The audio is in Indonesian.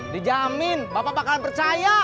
dijamin bapak bakal percaya